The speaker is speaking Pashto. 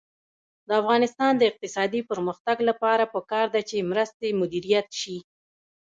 د افغانستان د اقتصادي پرمختګ لپاره پکار ده چې مرستې مدیریت شي.